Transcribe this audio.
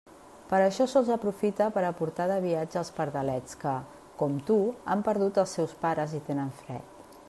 Per això sols aprofite per a portar de viatge els pardalets que, com tu, han perdut els seus pares i tenen fred.